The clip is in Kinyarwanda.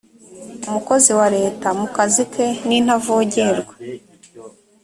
umukozi wa leta mu kazi ke ni ntavogerwa